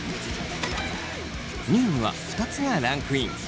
２位には２つがランクイン。